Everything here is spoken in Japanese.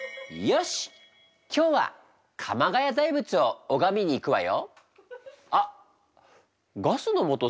よし鎌ケ谷大仏を拝みに行くわよ。